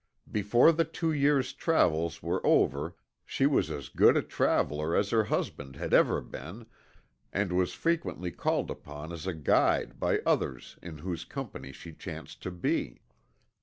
Before the two years' travels were over, she was as good a traveler as her husband had ever been, and was frequently called upon as a guide by others in whose company she chanced to be.